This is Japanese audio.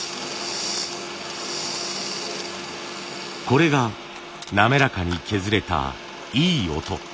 これが滑らかに削れたいい音。